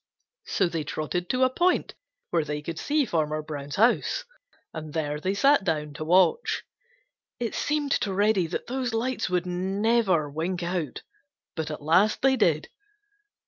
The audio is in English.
So they trotted to a point where they could see Farmer Brown's house, and there they sat down to watch. It seemed to Reddy that those lights never would wink out. But at last they did.